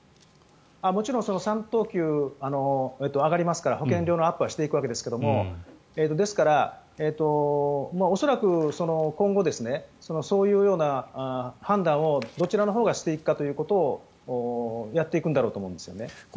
もちろん３等級上がりますから保険料のアップはしていくわけですがですから、恐らく今後、そういうような判断をどちらのほうがしていくかということをやっていくんだろうと思うんですよね。